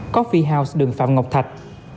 coffee house đường phạm ngọc thạch